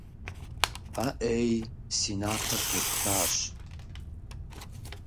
АӀей, си напэр тепхащ!